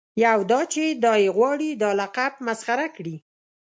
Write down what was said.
یو دا چې دای غواړي دا لقب مسخره کړي.